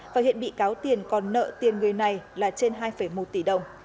và hiện bị cáo tiền còn nợ tiền người này là trên hai một tỷ đồng